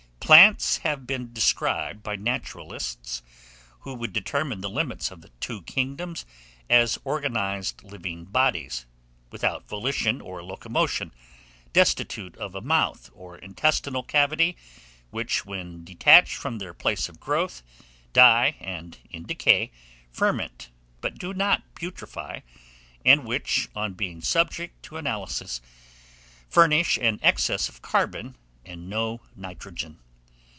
"Plants have been described by naturalists, who would determine the limits of the two kingdoms, as organized living bodies, without volition or locomotion, destitute of a mouth or intestinal cavity, which, when detached from their place of growth, die, and, in decay, ferment, but do not putrefy, and which, on being subjected to analysis, furnish an excess of carbon and no nitrogen.